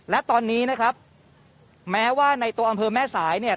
และตอนนี้นะครับแม้ว่าในตัวอำเภอแม่สายเนี่ย